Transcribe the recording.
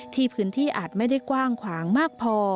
ที่พื้นที่อาจไม่ได้กว้างขวางมากพอ